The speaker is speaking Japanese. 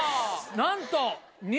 なんと。